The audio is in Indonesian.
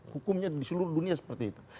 hukumnya di seluruh dunia seperti itu